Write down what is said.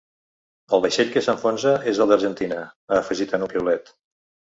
“El vaixell que s’enfonsa és el d’Argentina”, ha afegit en un piulet.